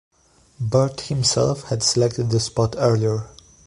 Butt himself had selected the spot earlier.